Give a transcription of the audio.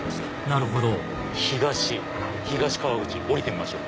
なるほど東東川口降りてみましょう。